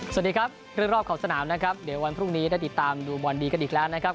สวัสดีครับเรื่องรอบขอบสนามนะครับเดี๋ยววันพรุ่งนี้ได้ติดตามดูบอลดีกันอีกแล้วนะครับ